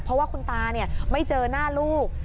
เพราะว่าคุณตาไม่เจอหน้าลูก